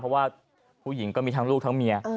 เพราะว่าผู้หญิงก็มีทั้งลูกทั้งเมีย